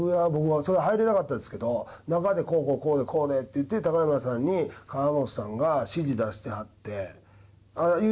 もうそれ入れなかったですけど中でこうこうこうでこうでって言って高山さんに河本さんが指示出してはって。